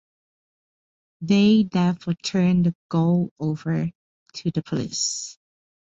They therefore turned the gold over to the police.